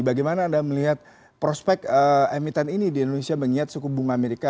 bagaimana anda melihat prospek emiten ini di indonesia mengingat suku bunga amerika